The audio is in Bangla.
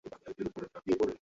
তোমার আঘাত লেগেছে?